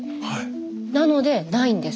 なのでないんです